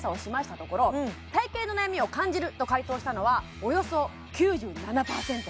ところ体形の悩みを感じると回答したのはおよそ９７％